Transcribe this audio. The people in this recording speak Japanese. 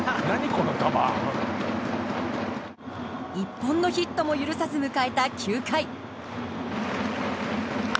この球」１本のヒットも許さず迎えた９回。